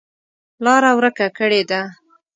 لاره ورکه کړې ده.